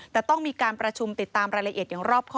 แต่ต้องมีการประชุมติดตามรายละเอียดอย่างรอบข้อ